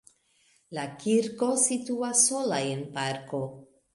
La kirko situas sola en parko.